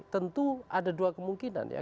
tentu ada dua kemungkinan ya